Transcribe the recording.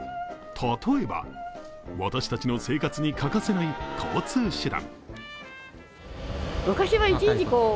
例えば、私たちの生活に欠かせない交通手段。